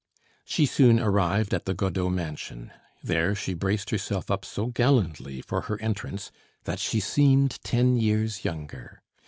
She soon arrived at the Godeau mansion; there, she braced herself up so gallantly for her entrance that she seemed ten years younger.